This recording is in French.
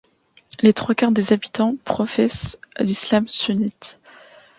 Les trois quarts des habitants professe l'islam sunnite.